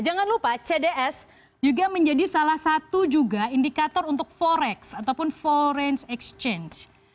jangan lupa cds juga menjadi salah satu juga indikator untuk forex ataupun foreign exchange